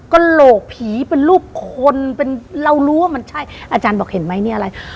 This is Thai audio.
กระโหลกผีเป็นรูปคนเป็นเรารู้ว่ามันใช่อาจารย์บอกเห็นไหมเนี่ยอะไร